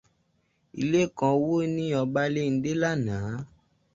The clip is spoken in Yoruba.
Ilé kan wó ní Ọbáléndé lánàá.